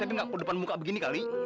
tapi ga ke depan muka begini kali